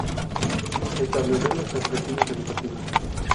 Establecer los objetivos educativos.